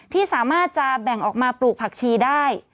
ที่สามารถจะแบ่งออกมาปลูกผักชีได้